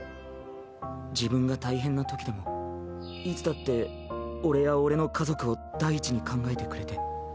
自分が大変なときでもいつだって俺や俺の家族を第一に考えてくれて。